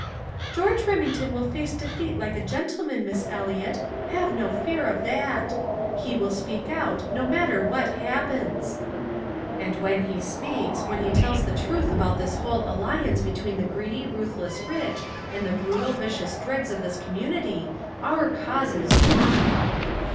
"George Remington will face defeat like a gentleman, Miss Eliot; have no fear of that. He will speak out, no matter what happens." "And when he speaks, when he tells the truth about this whole alliance between the greedy, ruthless rich and the brutal, vicious dregs of this community our cause is won!"